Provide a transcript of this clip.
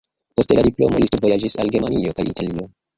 Post la diplomo li studvojaĝis al Germanio kaj Italio.